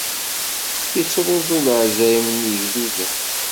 Ittruẓu leɛzayem n yigduden.